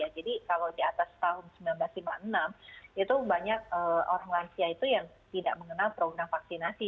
jadi kalau di atas tahun seribu sembilan ratus lima puluh enam itu banyak orang lansia itu yang tidak mengenal program vaksinasi